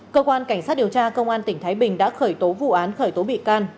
cơ quan cảnh sát điều tra công an tỉnh thái bình đã khởi tố vụ án khởi tố bị can